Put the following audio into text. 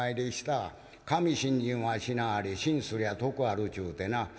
「『神信心はしなはれ信すりゃ得ある』ちゅうてな」。